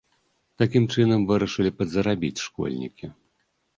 Такім чынам вырашылі падзарабіць школьнікі.